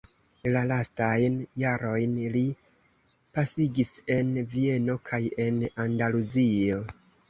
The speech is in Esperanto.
La lastajn jarojn li pasigis en Vieno kaj en Andaluzio.